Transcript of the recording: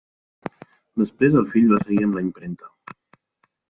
Després el fill va seguir amb la impremta.